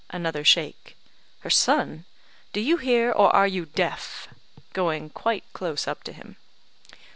(Another shake.) "Her son? Do you hear? or are you deaf?" (Going quite close up to him.)